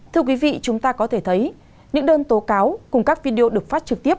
thưa quý vị chúng ta có thể thấy những đơn tố cáo cùng các video được phát trực tiếp